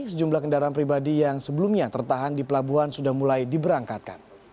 sejumlah kendaraan pribadi yang sebelumnya tertahan di pelabuhan sudah mulai diberangkatkan